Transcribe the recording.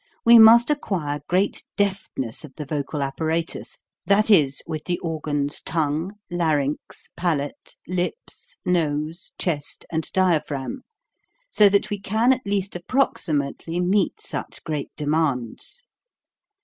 we must acquire great deftness of the vocal apparatus, that is, with the organs tongue, larynx, palate, lips, nose, chest, and diaphragm, so that we can at least approximately meet 272 HOW_TO SING such great demands.